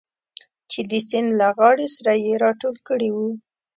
چې د سیند له غاړې سره یې راټول کړي و.